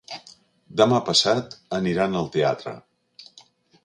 Demà passat aniran al teatre.